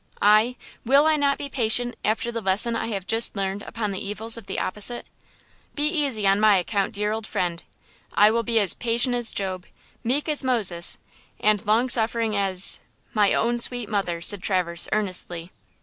"I? Will I not be patient, after the lesson I have just learned upon the evils of the opposite? Be easy on my account, dear old friend, I will be as patient as Job, meek as Moses and long suffering as–my own sweet mother!" said Traverse, earnestly.